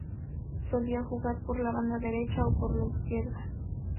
Solía jugar por la banda derecha o por la izquierda.